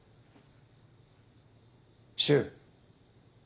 柊。